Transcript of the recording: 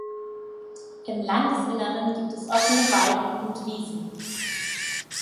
Im Landesinneren gibt es offene Weiden und Wiesen.